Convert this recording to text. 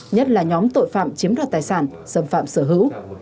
nhất là nhóm tội phạm chiếm đoạt tài sản xâm phạm sở hữu